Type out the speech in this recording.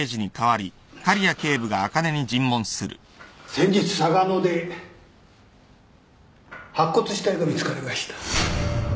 先日嵯峨野で白骨死体が見つかりました。